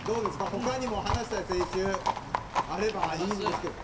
他にも話したい選手あればいいんですけど。